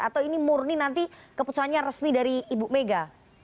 atau ini murni nanti keputusannya resmi dari ibu mega